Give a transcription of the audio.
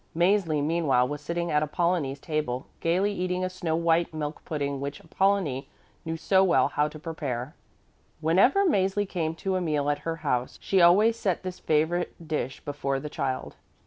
Mäzli, meanwhile, was sitting at Apollonie's table, gayly eating a snow white milk pudding which Apollonie knew so well how to prepare. Whenever Mäzli came to a meal at her house, she always set this favorite dish before the child.